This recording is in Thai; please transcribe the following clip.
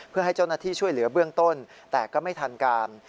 เพื่อให้เจ้าหน้าที่ช่วยเหลือเบื้องต้นแต่ก็ไม่ทันการ